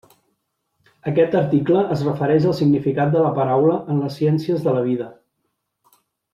Aquest article es refereix al significat de la paraula en les ciències de la vida.